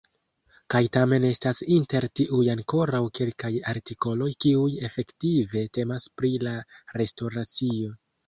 Kaj tamen estas inter tiuj ankoraŭ kelkaj artikoloj kiuj efektive temas pri la restoracio.